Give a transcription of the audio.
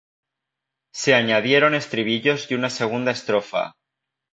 Se añadieron estribillos y una segunda estrofa.